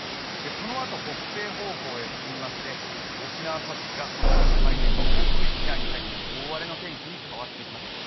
このあと北西方向へ進みまして沖縄各地がこの赤い円、暴風域内に入って大荒れの天気に変わってきます。